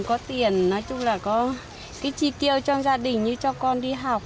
có tiền nói chung là có cái chi tiêu cho gia đình như cho con đi học